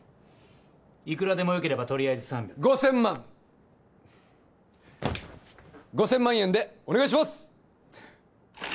いくらでもよければとりあえず３００５０００万５０００万円でお願いします！